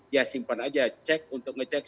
ya simpan aja cek untuk ngecek